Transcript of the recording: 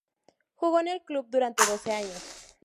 Jugó en el club durante doce años.